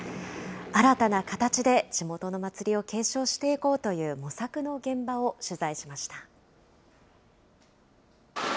新たな形で、地元の祭りを継承していこうという模索の現場を取材しました。